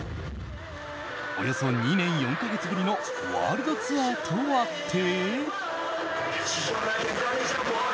およそ２年４か月ぶりのワールドツアーとあって。